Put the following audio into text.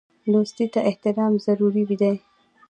دوستۍ ته احترام ضروري دی.